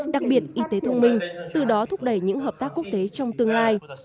đặc biệt y tế thông minh từ đó thúc đẩy những hợp tác quốc tế trong tương lai